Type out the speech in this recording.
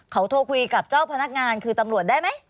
เขาโทรคุยกับเจ้าพนักงานคือตำรวจได้ไหม